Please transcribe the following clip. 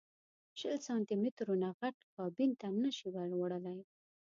شل سانتي مترو نه غټ کابین ته نه شې وړلی.